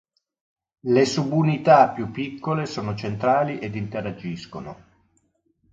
Le subunità più piccole sono centrali ed interagiscono.